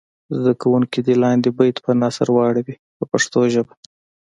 زده کوونکي دې لاندې بیت په نثر واړوي په پښتو ژبه.